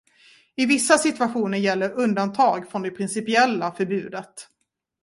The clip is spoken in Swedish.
I vissa situationer gäller undantag från det principiella förbudet.